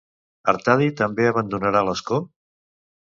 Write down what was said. Artadi també abandonarà l'escó?